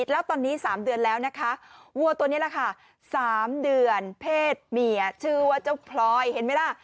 แล้วตอนนี้๓เดือนแล้วนะคะวัวตัวนี้แหละค่ะ๓เดือนเพศเมียชื่อว่าเจ้าพลอยเห็นไหมล่ะ